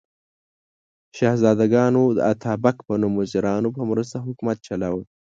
شهزادګانو د اتابک په نوم وزیرانو په مرسته حکومت چلاوه.